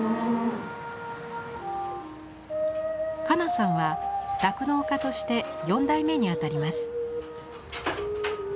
加奈さんは酪農家として４代目に当たります。